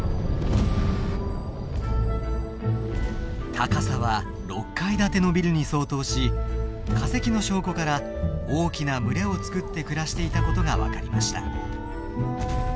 高さは６階建てのビルに相当し化石の証拠から大きな群れを作って暮らしていたことが分かりました。